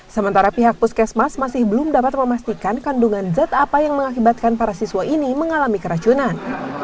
sementara pihak puskesmas masih belum dapat memastikan kandungan zat apa yang mengakibatkan para siswa ini mengalami keracunan